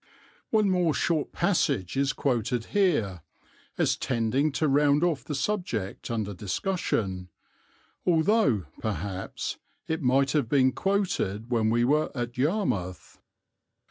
One more short passage is quoted here, as tending to round off the subject under discussion, although, perhaps, it might have been quoted when we were at Yarmouth.